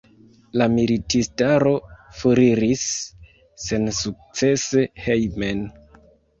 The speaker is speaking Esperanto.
La militistaro foriris sensukcese hejmen.